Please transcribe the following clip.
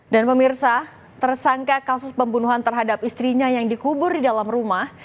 dan pemirsa tersangka kasus pembunuhan terhadap istrinya yang dikubur di dalam rumah